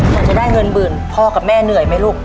อยากจะได้เงินหมื่นพ่อกับแม่เหนื่อยไหมลูก